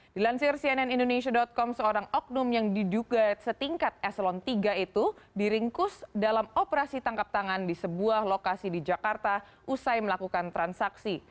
dilansir cnn indonesia com seorang oknum yang diduga setingkat eselon tiga itu diringkus dalam operasi tangkap tangan di sebuah lokasi di jakarta usai melakukan transaksi